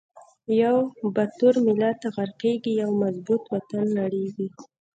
یو با تور ملت غر قیږی، یو مظبو ط وطن نړیزی